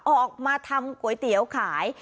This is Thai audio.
ออกมาทำก๋วยเตี๋ยวขาย